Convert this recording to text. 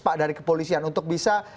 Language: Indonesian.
pak dari kepolisian untuk bisa